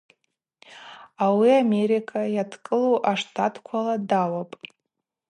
Ауи Америка Йадкӏылу а-Штатквала дауапӏ.